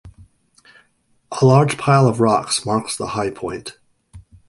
A large pile of rocks marks the high point.